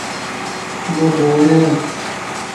يو گوڙو ائي.